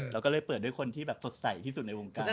แล้วก็เลยเปิดด้วยคนที่แบบสดใสที่สุดในวงการ